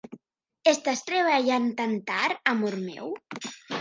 Estàs treballant tan tard, amor meu?